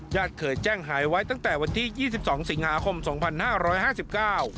เคยแจ้งหายไว้ตั้งแต่วันที่ยี่สิบสองสิงหาคมสองพันห้าร้อยห้าสิบเก้า